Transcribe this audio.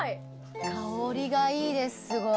香りがいいです、すごい。